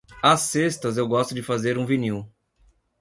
Às sextas eu gosto de fazer um vinil.